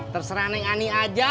terserah neng ani aja